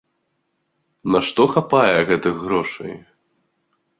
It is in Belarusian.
На што хапае гэтых грошай?